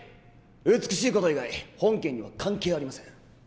美しい事以外本件には関係ありません！